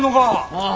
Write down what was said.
ああ。